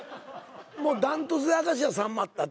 もう断トツで明石家さんまだったの。